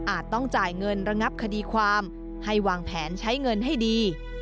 ต้องจ่ายเงินระงับคดีความให้วางแผนใช้เงินให้ดี